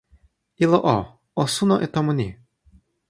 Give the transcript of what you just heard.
ilo o, o suno e tomo ni.